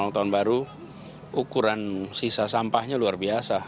tahun baru ukuran sisa sampahnya luar biasa